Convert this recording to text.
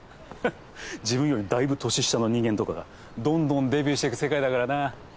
自分よりだいぶ年下の人間とかがどんどんデビューしてく世界だからな。